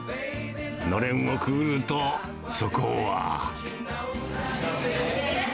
のれんをくぐると、そこは。